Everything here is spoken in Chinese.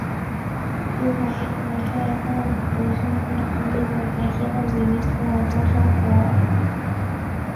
部分物种在淡水生存及一种在潮湿的雨林土壤中生活。